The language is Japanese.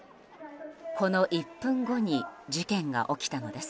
この１分後に事件が起きたのです。